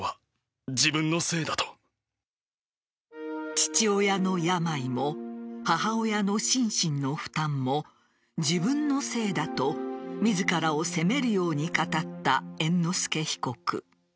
父親の病も母親の心身の負担も自分のせいだと自らを責めるように語った猿之助被告。